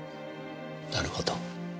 なるほど。